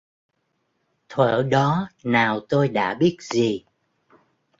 Thuở đó nào tôi đã biết gì